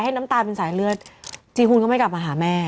น้ำตาลเป็นสายเลือดจีฮูนก็ไม่กลับมาหาแม่